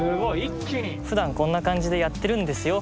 「ふだんこんな感じでやってるんですよ」